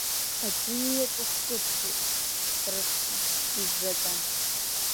Аӡә иеҵәахә кыдшәеит, рыцҳа, ижжаӡа…